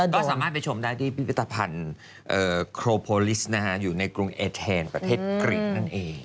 ก็สามารถไปชมได้ที่พิพิธภัณฑ์โครโพลิสอยู่ในกรุงเอเทนประเทศกฤษนั่นเอง